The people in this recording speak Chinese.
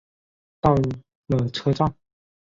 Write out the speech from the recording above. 到了车站